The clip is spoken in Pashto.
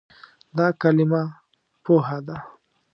دا کلمه "پوهه" ده.